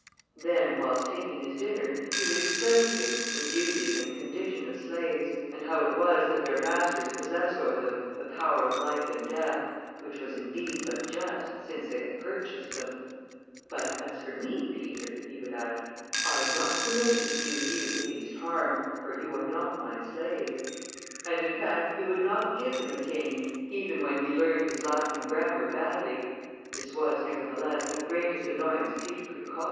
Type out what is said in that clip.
Then, whilst taking his dinner, he would explain to him the duties and condition of slaves; and how it was that their masters possessed over them the power of life and death, which was indeed but just, since they had purchased them; "But as for me, Peter," he would add, "I am not permitted to do you the least harm, for you are not my slave." And, in fact, he would not give him a caning, even when he learned his Latin grammar badly; this was, nevertheless, the greatest annoyance Peter could cause M.